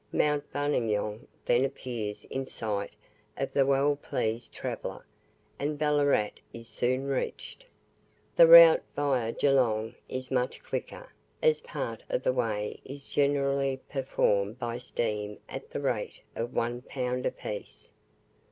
Mount Buninyong then appears in sight of the well pleased traveller, and Ballarat is soon reached. The route VIA Geelong is much quicker, as part of the way is generally performed by steam at the rate of one pound a piece.